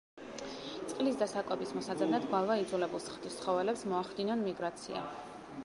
წყლის და საკვების მოსაძებნად გვალვა იძულებულს ხდის ცხოველებს მოახდინონ მიგრაცია.